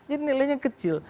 jadi nilainya kecil